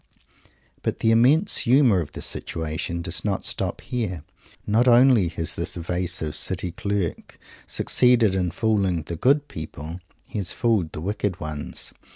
But the immense humour of the situation does not stop here. Not only has this evasive City Clerk succeeded in fooling the "good people;" he has fooled the "wicked ones."